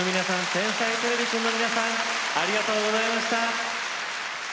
「天才てれびくん」の皆さんありがとうございました。